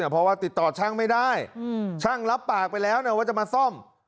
เพราะว่าติดต่อช่างไม่ได้ช่างรับปากไปแล้วว่าจะมาซ่อม